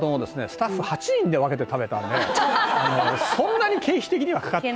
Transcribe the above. スタッフ８人で分けて食べたんでそんなに経費的にはかかって。